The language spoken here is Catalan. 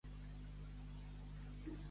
Acabar a Canor.